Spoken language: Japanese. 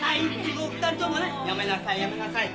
もう２人ともねやめなさいやめなさい。